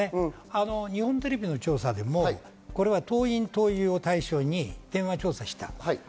日本テレビの調査でも党員・党友を対象に電話調査をした。